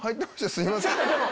すいません。